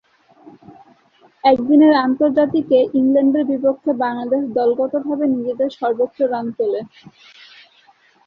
একদিনের আন্তর্জাতিকে ইংল্যান্ডের বিপক্ষে বাংলাদেশ দলগতভাবে নিজেদের সর্বোচ্চ রান তোলে।